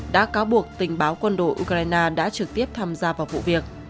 đã cáo buộc tình báo quân đội ukraine đã trực tiếp tham gia vào vụ việc